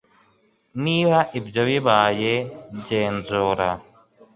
Niba ibyo bibaye nzegura